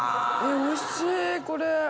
おいしいこれ。